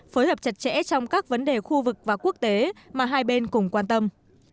phối hợp chặt chẽ trong các vấn đề khu vực và quốc tế mà hai bên cùng quan tâm